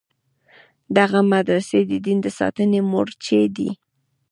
دغه مدرسې د دین د ساتنې مورچې دي.